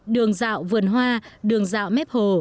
đường dạo vườn hoa đường dạo mép hồ